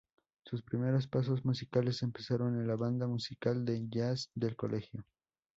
Sus primeros pasos musicales empezaron en la banda musical de jazz del colegio.